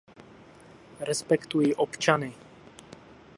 Respektuji občany.